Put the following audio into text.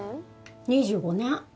２５年